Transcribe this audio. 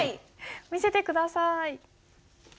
見せて下さい。